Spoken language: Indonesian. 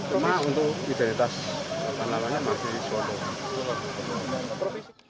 cuma untuk identitas namanya masih solo